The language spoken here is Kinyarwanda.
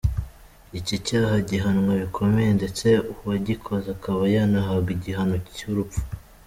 Iki cyaha gihanwa bikomeye ndetse uwagikoze akaba yanahabwa igihano cy’urupfu.